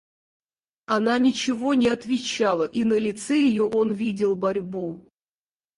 Она ничего не отвечала, и на лице ее он видел борьбу.